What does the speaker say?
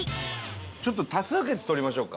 ちょっと多数決取りましょうか。